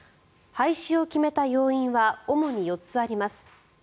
廃止を決めた要因は主に４つあります。